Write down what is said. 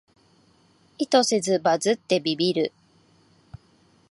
意図せずバズってビビる